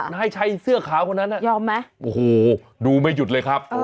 นายชัยเสื้อขาวคนนั้นน่ะยอมไหมโอ้โหดูไม่หยุดเลยครับ